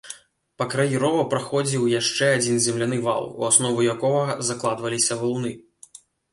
Па краі рова праходзіў яшчэ адзін земляны вал, у аснову якога закладваліся валуны.